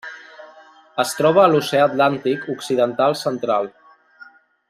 Es troba a l'Oceà Atlàntic occidental central: